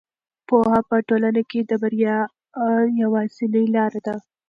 پوهه په ټولنه کې د بریا یوازینۍ لاره ده.